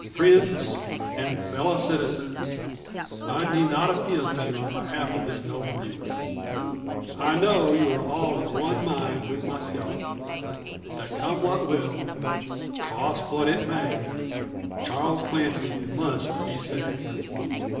Friends, and fellow citizens! I need not appeal to you on behalf of this noble youth. I know you are all of one mind with myself, that come what will, cost what it may, Charles Clancy must be saved."